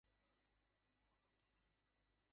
শিশু কিশোরদের জন্যে অজেয় রায় প্রচুর কাহিনী রচনা করেছেন।